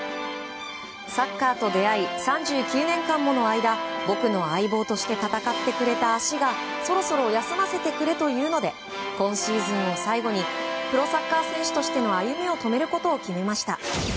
サッカーと出会い３９年間もの間僕の相棒として戦ってくれた足がそろそろ休ませてくれと言うので今シーズンを最後にプロサッカー選手としての歩みを止めることを決めました。